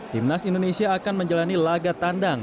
timnas indonesia akan menjalani laga tandang